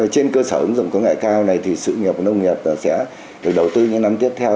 trên cơ sở ứng dụng công nghệ cao này thì sự nghiệp nông nghiệp sẽ được đầu tư những năm tiếp theo